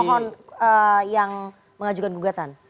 pemohon yang mengajukan gugatan